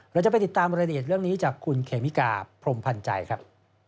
เราจะไปติดตามรายละเอียดเรื่องนี้จากคุณเขมิกาพรมพันธ์ใจครับ